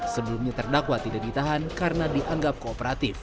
sebelumnya terdakwa tidak ditahan karena dianggap kooperatif